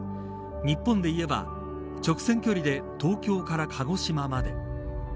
日本でいえば直線距離で東京から鹿児島まで。